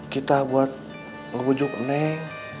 kita buat ngebujuk neng